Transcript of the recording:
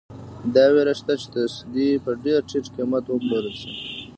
دا وېره شته چې تصدۍ په ډېر ټیټ قیمت وپلورل شي.